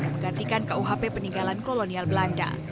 menggantikan kuhp peninggalan kolonial belanda